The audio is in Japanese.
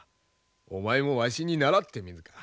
お前もわしに倣ってみぬか？